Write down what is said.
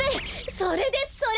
それですそれ！